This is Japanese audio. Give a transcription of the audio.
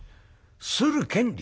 「する権利？